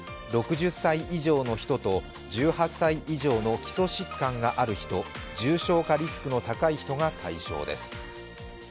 ６０歳以上の人と１８歳以上の基礎疾患のある人、重症化リスクの高い人が対象です。